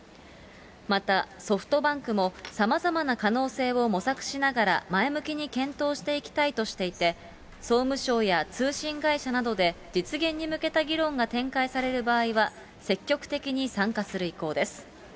また、ソフトバンクもさまざまな可能性を模索しながら、前向きに検討していきたいとしていて、総務省や通信会社などで実現に向けた議論が展開される場合は、積極的に参加する意向です。